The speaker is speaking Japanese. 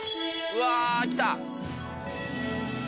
うわ来た！